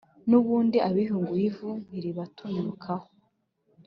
N'ubundi abihunguye ivu ntiribatumuka ho